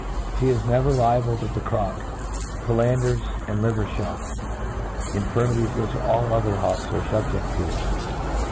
— She is ne ver liable to the crock, filanders, and liver lhot, '^ infirmities which all other hawk^ are fubjed to.